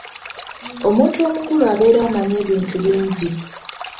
Omuntu omukulu abeera abanyi ebintu bingi.